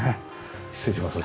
失礼します。